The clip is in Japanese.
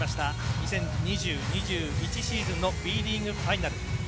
２０２０‐２１シーズンのＢリーグファイナル。